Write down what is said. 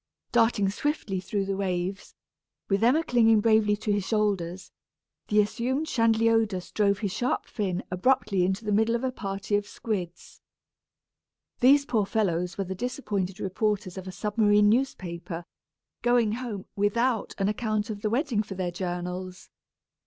Darting swiftly through the waves, with Emma clinging bravely to his shoulders, the assumed Chanliodus drove his sharp fin abruptly into the middle of a party of squids. These poor fellows were the disappointed reporters of a submarine newspaper, going home without an account of the wedding for their journals!